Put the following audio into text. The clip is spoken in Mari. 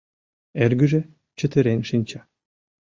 Эргыже чытырен шинча.